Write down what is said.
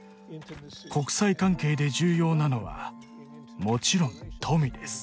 国際関係で重要なのはもちろん富です。